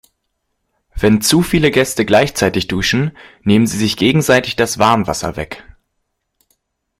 Wenn zu viele Gäste gleichzeitig duschen, nehmen sie sich gegenseitig das Warmwasser weg.